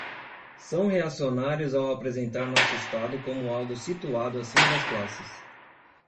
São reacionários ao apresentar nosso Estado como algo situado acima das classes